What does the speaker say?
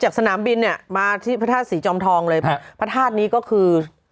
ชาติพทาศีจอมทองเลยพระธาตุนี้ก็คือ